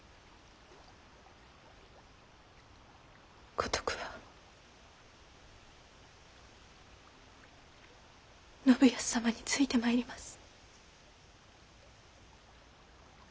五徳は信康様についてまいります。